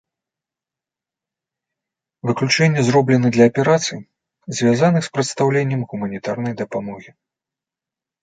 Выключэнні зроблены для аперацый, звязаных з прадстаўленнем гуманітарнай дапамогі.